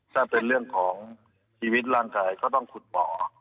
ถ้าเป็นเรื่องของชีวิตร่างกายก็ต้องขุดหมอ